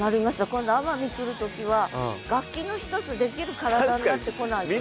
今度奄美来る時は楽器の一つできる体になってこないとね。